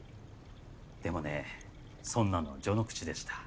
でもねそんなの序の口でした。